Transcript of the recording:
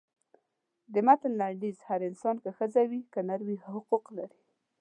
د متن لنډیز هر انسان که ښځه وي که نر حقوق لري.